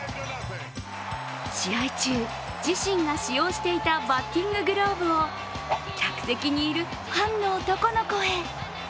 試合中、自身が使用していたバッティンググローブを客席にいるファンの男の子へ。